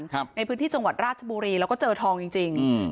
ครับในพื้นที่จังหวัดราชบุรีแล้วก็เจอทองจริงจริงอืม